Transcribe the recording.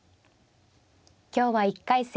今日は１回戦